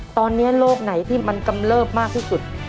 ตอนนี้โรคไหนที่มันกำเลิบมากที่สุด